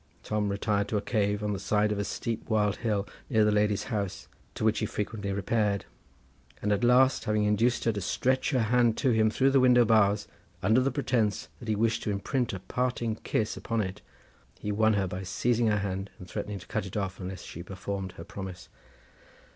Tom retired to a cave on the side of a steep wild hill near the lady's house, to which he frequently repaired, and at last, having induced her to stretch her hand to him through the window bars, under the pretence that he wished to imprint a parting kiss upon it, he won her by seizing her hand and threatening to cut it off unless she performed her promise.